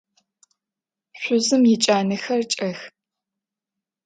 Шъузым иджанэхэр кӏэх.